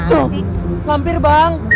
itu mampir bang